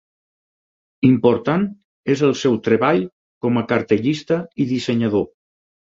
Important és el seu treball com a cartellista i dissenyador.